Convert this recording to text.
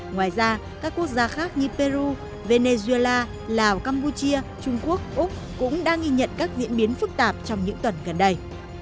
ngoài ra các quốc gia khác như peru venezuela lào campuchia trung quốc úc cũng đang ghi nhận các diễn biến phức tạp trong những tuần gần đây